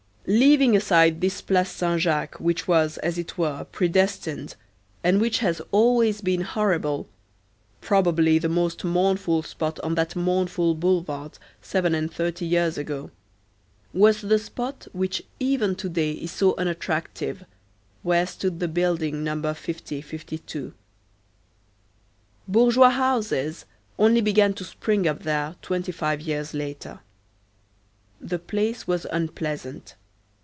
Leaving aside this Place Saint Jacques, which was, as it were, predestined, and which has always been horrible, probably the most mournful spot on that mournful boulevard, seven and thirty years ago, was the spot which even to day is so unattractive, where stood the building Number 50 52. Bourgeois houses only began to spring up there twenty five years later. The place was unpleasant.